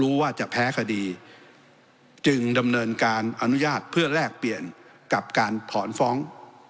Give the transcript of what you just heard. ว่าจะแพ้คดีจึงดำเนินการอนุญาตเพื่อแลกเปลี่ยนกับการถอนฟ้อง